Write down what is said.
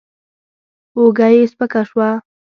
اوږه يې سپکه شوه.